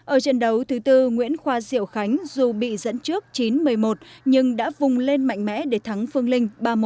ở trận đấu thứ tư nguyễn khoa diệu khánh dù bị dẫn trước chín một mươi một nhưng đã vùng lên mạnh mẽ để thắng phương linh ba một